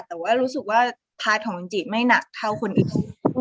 แต่ว่ารู้สึกว่าพาร์ทของจริงไม่หนักเท่าคนอื่น